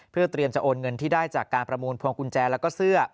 เพื่อเตรียมจะโอนเงินที่ได้จากการประมูลพวงกุญแจแล้วก็เสื้อ